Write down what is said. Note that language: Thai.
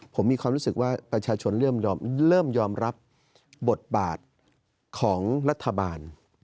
ผมมีความรู้สึกว่าประชาชนเริ่มยอมรับบทบาทของรัฐบาล